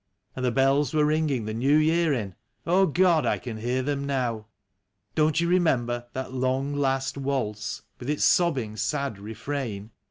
And the bells were ringing the New Year in — God ! I can hear them now. Don't you remember that long, last waltz, with its sob bing, sad refrain?